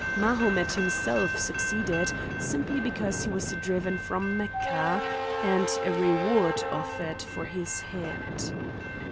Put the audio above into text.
Mahomet himself succeeded, simply because he was driven from Mecca, and a reward offered for his head.